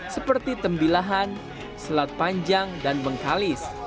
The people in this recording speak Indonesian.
seperti tembilahan selat panjang dan bengkalis